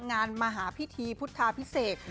งานมหาพิธีพุทธาพิเศษ